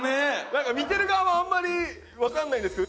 なんか見てる側はあんまりわかんないんですけど。